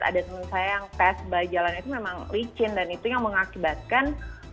ada teman saya yang test by jalan itu memang licin dan itu yang mengakibatkan